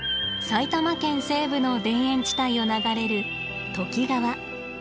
埼玉県西部の田園地帯を流れる都幾川。